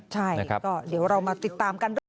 ใช่ก็เดี๋ยวเรามาติดตามกันด้วย